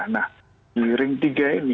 nah di ring tiga ini